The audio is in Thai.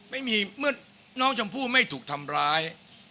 ไม่มีเมื่อน้องช่องพู่ทำร้าย